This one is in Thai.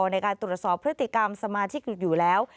ในการตรวจสอบพฤติกรรมสมาชิกอยู่แล้ว